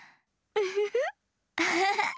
ウフフ。